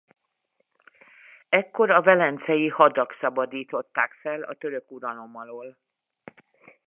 Ekkor a velencei hadak szabadították fel a török uralom alól.